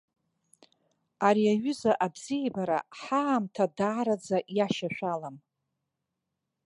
Ари аҩыза абзиабара, ҳаамҭа даараӡа иашьашәалам.